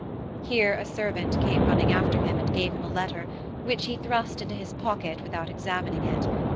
Here a servant came running after him and gave him a letter, which he thrust into his pocket without examining it.